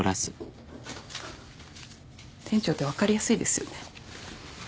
店長って分かりやすいですよね。